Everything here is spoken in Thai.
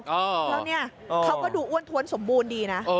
แล้วเนี่ยเขาก็ดูอ้วนท้วนสมบูรณ์ดีนะ